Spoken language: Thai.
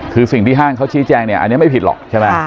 คือสิ่งที่ห้างเขาชี้แจงเนี่ยอันนี้ไม่ผิดหรอกใช่ไหม